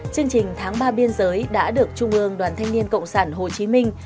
chương trình tháng ba biên giới đã được trung ương đoàn thanh niên cộng sản hồ chí minh